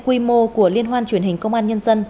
quy mô của liên hoan truyền hình công an nhân dân